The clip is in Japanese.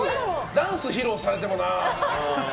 ダンス披露されてもな。